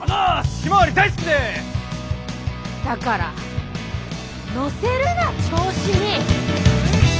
だから乗せるな調子に。